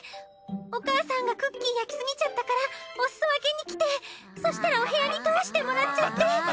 お母さんがクッキー焼きすぎちゃったからおすそわけに来てそしたらお部屋に通してもらっちゃって。